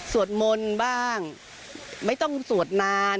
สวดมนต์บ้างไม่ต้องสวดนาน